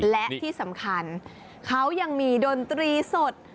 และที่สำคัญเขายังมีดนตรีสด